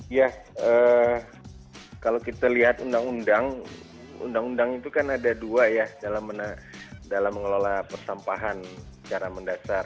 ya kalau kita lihat undang undang undang itu kan ada dua ya dalam mengelola persampahan secara mendasar